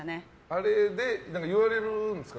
あれで言われるんですか。